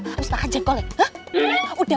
harus makan jengkolnya